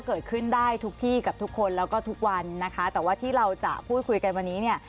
เกิดขึ้นได้ทุกที่กับทุกคนแล้วก็ทุกวันนะคะแต่ว่าที่เราจะพูดคุยกันวันนี้เนี่ย